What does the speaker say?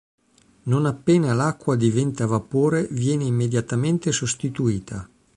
Non appena l'acqua diventa vapore viene immediatamente sostituita.